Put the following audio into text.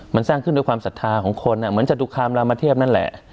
มันสร้างขึ้นด้วยความศรัทธาของคนเหมือนจตุคามรามเทพนั่นแหละ